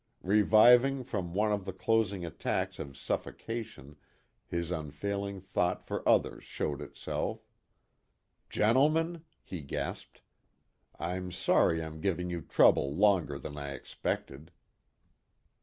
Reviving from one of the closing attacks of suffocation his unfailing thought for others showed itself. " Gentlemen," he gasped, " I'm sorry I'm giving you trouble longer than I expected."